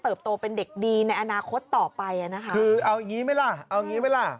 เสิร์ฟโตเป็นเด็กดีในอนาคตต่อไปนะค่ะคือเอาอย่างงี้ไหมล่ะเอาอย่างงี้ไหมล่ะ